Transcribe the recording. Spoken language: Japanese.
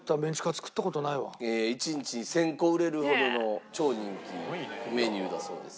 一日に１０００個売れるほどの超人気メニューだそうです。